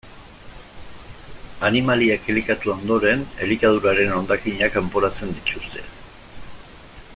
Animaliek elikatu ondoren, elikaduraren hondakinak kanporatzen dituzte.